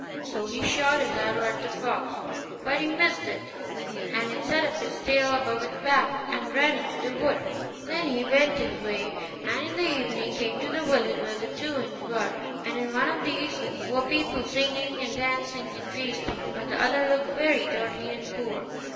So he shot his arrow at the fox; but he missed it, and it set up its tail above its back and ran into the wood. Then he went his way, and in the evening came to the village where the two inns were; and in one of these were people singing, and dancing, and feasting; but the other looked very dirty, and poor.